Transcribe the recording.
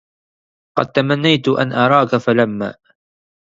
قد تمنيت أن أراك فلما